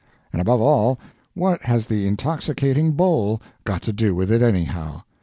And, above all, what has the intoxicating "bowl" got to do with it, anyhow?